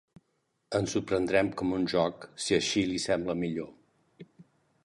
Ens ho prendrem com un joc, si així li sembla millor.